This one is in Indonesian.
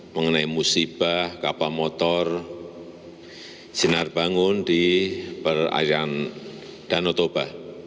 mengenai musibah kapal motor sinar bangun di perairan danau toba